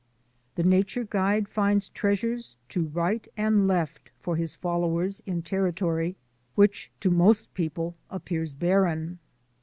The nature guide finds treasures to right and left for his followers in territory which to most people appears barren.